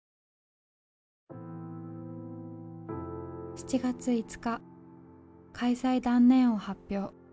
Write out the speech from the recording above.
７月５日開催断念を発表。